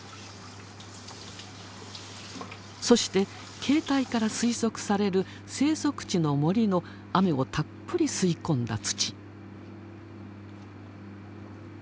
そして形態から推測される生息地の森の雨をたっぷり吸い込んだ土。